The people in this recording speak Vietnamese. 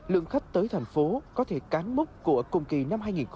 lượng khách tới thành phố có thể cán mốc của cùng kỳ năm hai nghìn một mươi chín